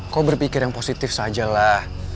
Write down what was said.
kok berpikir yang positif sajalah